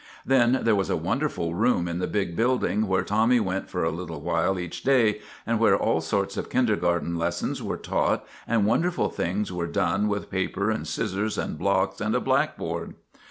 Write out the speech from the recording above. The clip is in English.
Then there was a wonderful room in the big building where Tommy went for a little while each day, and where all sorts of kindergarten lessons were taught and wonderful things were done with paper and scissors and blocks and a blackboard.